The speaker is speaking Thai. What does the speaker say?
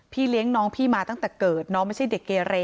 เลี้ยงน้องพี่มาตั้งแต่เกิดน้องไม่ใช่เด็กเกเร